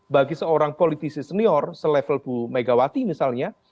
bagi seorang politisi senior selevel bu megawati misalnya